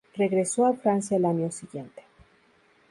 Regresó a Francia al año siguiente.